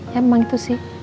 ya emang itu sih